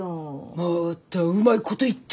またうまいこと言って。